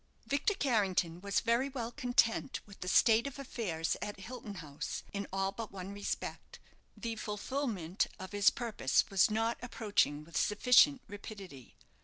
Victor Carrington was very well content with the state of affairs at Hilton House in all but one respect. The fulfilment of his purpose was not approaching with sufficient rapidity.